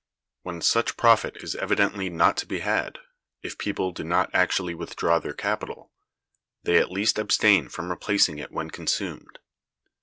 When such profit is evidently not to be had, if people do not actually withdraw their capital, they at least abstain from replacing it when consumed.